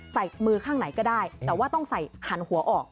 ใส่มือข้างไหนก็ได้แต่ว่าต้องใส่หันหัวออก